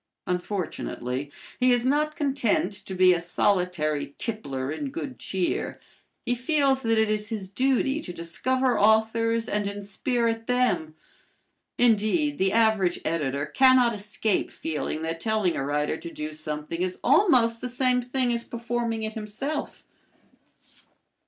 Unfortunately he is not content to be a solitary tippler in good cheer. He feels that it is his duty to discover authors and inspirit them. Indeed, the average editor cannot escape feeling that telling a writer to do something is almost the same thing as performing it himself.